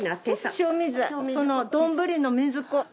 塩水その丼の水っこ。